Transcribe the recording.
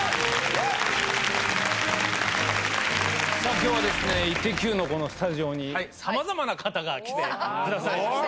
今日は『イッテＱ！』のこのスタジオにさまざまな方が来てくださいました。